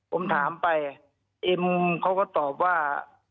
ผมถามไปเอ็มเขาก็ตอบว่า